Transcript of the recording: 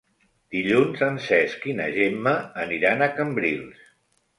Dilluns en Cesc i na Gemma aniran a Cambrils.